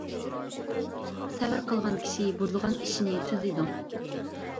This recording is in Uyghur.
-سەۋر قىلغان كىشى بۇزۇلغان ئىشنى تۈزىدۇ.